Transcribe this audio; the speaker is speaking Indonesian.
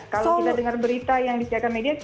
kalau kita dengar berita yang disediakan media cukup sering